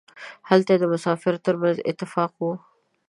هلته یې د مسافرو ترمنځ اتفاق و.